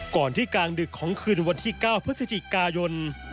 ก่อนที่กลางดึกของคืนวันที่๙พฤศจิกายน